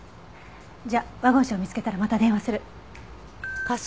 じゃワゴン車を見つけたらまた電話する。